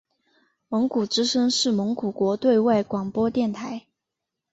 蒙古之声是蒙古国的对外广播电台。